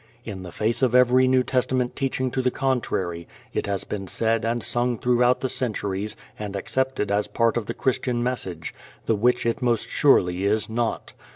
In the face of every New Testament teaching to the contrary it has been said and sung throughout the centuries and accepted as a part of the Christian message, the which it most surely is not.